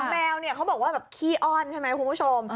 แมวเนี่ยเขาบอกว่าแบบขี้อ้อนใช่ไหมคุณผู้ชม